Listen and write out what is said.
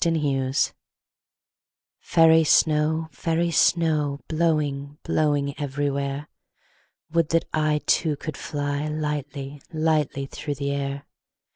Snow Song FAIRY snow, fairy snow, Blowing, blowing everywhere, Would that I Too, could fly Lightly, lightly through the air.